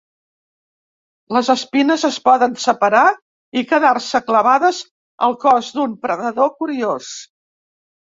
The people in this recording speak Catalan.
Les espines es poden separar i quedar-se clavades al cos d'un predador curiós.